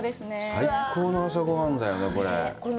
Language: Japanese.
最高の朝ごはんだよね、これ。